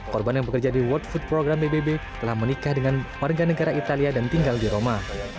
korban yang bekerja di world food program pbb telah menikah dengan warga negara italia dan tinggal di roma